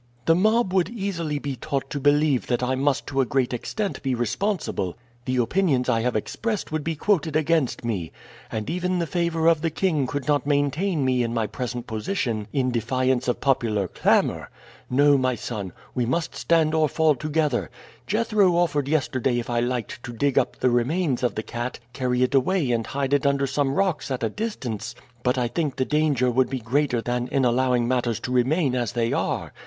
"The mob would easily be taught to believe that I must to a great extent be responsible; the opinions I have expressed would be quoted against me, and even the favor of the king could not maintain me in my present position in defiance of popular clamor. No, my son, we must stand or fall together. Jethro offered yesterday if I liked to dig up the remains of the cat, carry it away and hide it under some rocks at a distance, but I think the danger would be greater than in allowing matters to remain as they are.